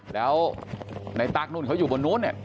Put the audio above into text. แล้วในตั๊กนู่นเขาอยู่บนนู้นเนี่ย